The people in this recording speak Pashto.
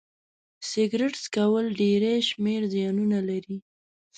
سيګرټ څکول ډيری شمېر زيانونه لري